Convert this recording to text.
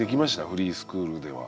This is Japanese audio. フリースクールでは。